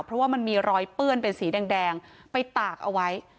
เพราะว่ามันมีรอยเปื้อนเป็นสีแดงไปตากเอาไว้